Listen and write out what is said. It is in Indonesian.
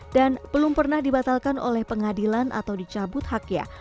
belum pernah dibatalkan oleh pengadilan atau dicabut haknya